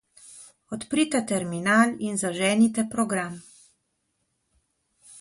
Odprite terminal in zaženite program.